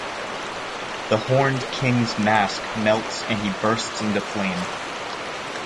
The Horned King's mask melts and he bursts into flame.